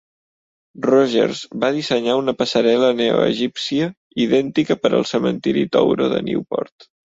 Rogers va dissenyar una passarel·la neoegípcia idèntica per al cementiri Touro de Newport.